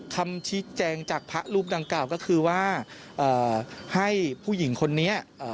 คำชี้แจงจากพระรูปดังกล่าวก็คือว่าให้ผู้หญิงคนนี้